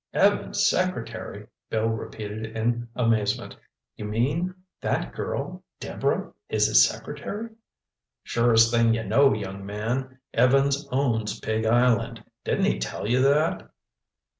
"Evans' secretary!" Bill repeated in amazement. "You mean—that girl—Deborah—is his secretary?" "Surest thing you know, young man. Evans owns Pig Island—didn't he tell you that?"